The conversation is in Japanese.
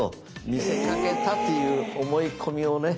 見せかけたという思い込みをね